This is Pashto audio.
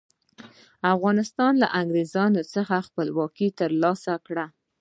افغانستان له انګریزانو څخه خپلواکي تر لاسه کړه.